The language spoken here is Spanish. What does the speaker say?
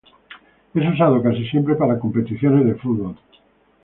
Es usado casi siempre para competiciones de fútbol.